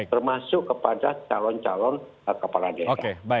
termasuk kepada calon calon kepala daerah